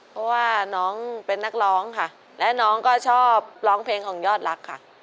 เพราะว่าน้องเป็นนักร้องค่ะและน้องก็ชอบร้องเพลงของยอดรักค่ะ